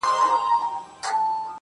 ستا په تعويذ كي به خپل زړه وويني.